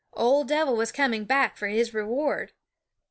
Ol' Dev'l was coming back for his reward.